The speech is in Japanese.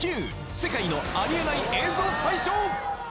世界のありえない映像大賞」。